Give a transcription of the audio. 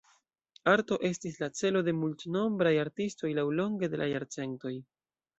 Arto estis la celo de multnombraj artistoj laŭlonge de la jarcentoj.